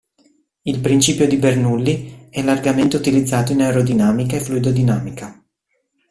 Il principio di Bernoulli è largamente utilizzato in aerodinamica e fluidodinamica.